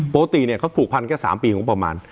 ปกติเขาผูกพันแค่๓ปีของประมาณ